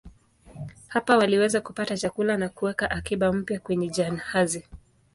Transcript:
Hapa waliweza kupata chakula na kuweka akiba mpya kwenye jahazi.